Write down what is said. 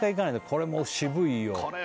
これ渋いよ